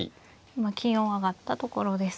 今金を上がったところです。